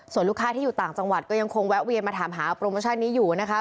ส่วนลูกค้าที่อยู่ต่างจังหวัดก็ยังคงแวะเวียนมาถามหาโปรโมชั่นนี้อยู่นะคะ